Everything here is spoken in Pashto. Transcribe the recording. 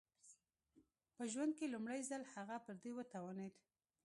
په ژوند کې لومړی ځل هغه پر دې وتوانېد